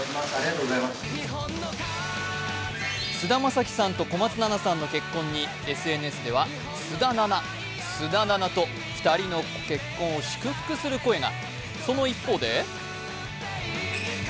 菅田将暉さんと小松菜奈さんの結婚にＳＮＳではすだなな、須田菜奈と２人の結婚を祝福する声が。